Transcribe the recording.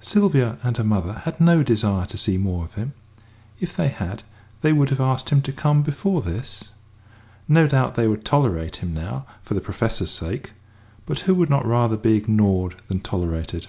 Sylvia and her mother had no desire to see more of him; if they had, they would have asked him to come before this. No doubt they would tolerate him now for the Professor's sake; but who would not rather be ignored than tolerated?